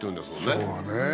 そうだね。